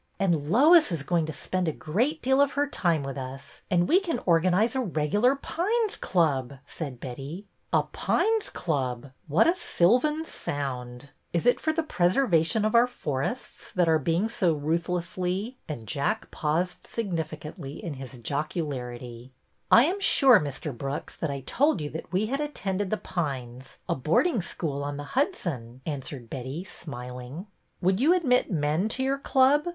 And Lois is going to spend a great deal of her time with us, and we can organize a regular Pines Club," said Betty. ''' A Pines Club '! What a sylvan sound ! Is it for the preservation of our forests, that ' are being so ruthlessly —'" and Jack paused signifi cantly in his jocularity. '' I am sure, Mr. Brooks, that I told you that we had attended The Pines, a boarding school on the Hudson," answered Betty, smiling. Would you admit men to your club